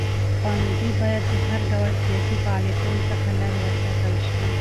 ښوونځي باید د هر ډول سیاسي فعالیتونو څخه لرې وساتل شي.